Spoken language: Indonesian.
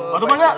pak tumang ya